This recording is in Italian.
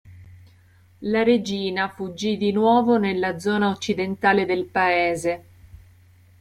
La regina fuggì di nuovo nella zona occidentale del paese.